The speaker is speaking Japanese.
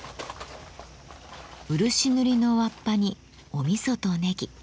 漆塗りのわっぱにおみそとネギ。